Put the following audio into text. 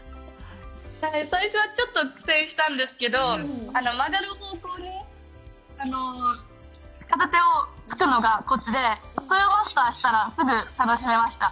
最初はちょっと苦戦したんですけど、曲がる方向に片手をつくのがコツでそれをマスターしたらすぐ楽しめました。